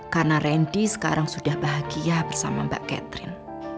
karena randy sekarang sudah bahagia bersama mbak catherine